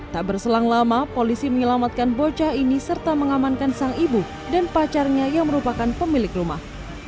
tak berselang lama polisi menyelamatkan bocah ini serta mengamankan sang ibu dan pacarnya yang merupakan pemilik rumah